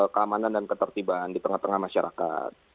keamanan dan ketertiban di tengah tengah masyarakat